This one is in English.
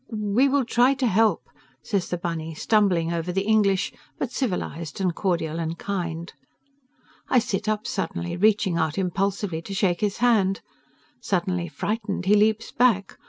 we will try to help," says the bunny, stumbling over the English, but civilized and cordial and kind. I sit up suddenly, reaching out impulsively to shake his hand. Suddenly frightened he leaps back.